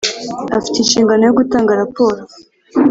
Afite inshingano yo gutanga raporo